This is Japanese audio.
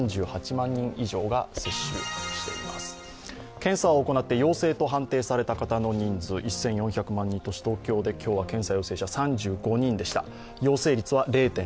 検査を行って要請と判定された方の人数、１４００万人都市、東京で今日は検査陽性者３５人でした。